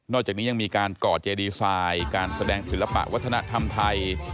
จากนี้ยังมีการก่อเจดีไซน์การแสดงศิลปะวัฒนธรรมไทย